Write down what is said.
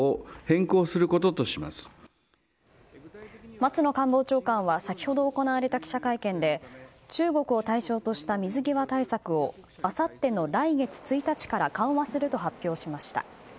松野官房長官は先ほど行われた記者会見で中国を対象とした水際対策をあさっての来月１日から緩和すると発表しました。